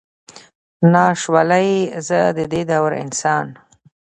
ناش ولئ، زه ددې دور انسان.